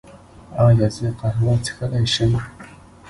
ایا زه قهوه څښلی شم؟